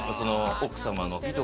奥様の。